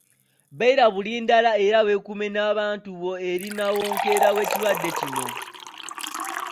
Beera bulindaala era weekuume n’abantu bo eri nnawookeera w’ekirwadde kino.